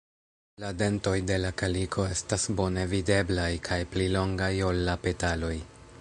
La dentoj de la kaliko estas bone videblaj kaj pli longaj ol la petaloj.